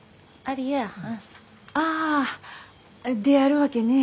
ああであるわけね。